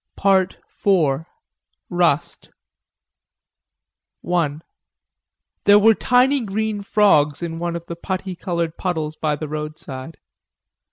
PART FOUR: RUST I There were tiny green frogs in one of the putty colored puddles by the roadside.